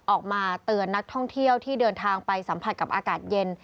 ออกมาเตือนนักท่องเที่ยวที่เดินทางไปสัมผัสกับอากาศเย็น